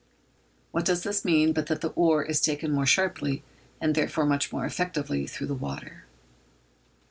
What does this mean but that the oar is taken more sharply, and, therefore, much more effectively, through the water?